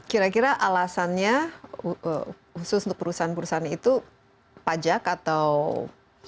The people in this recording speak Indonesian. kira kira alasannya khusus untuk perusahaan perusahaan itu pajak atau